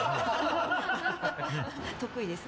得意ですね。